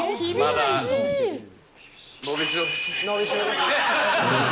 伸びしろですね。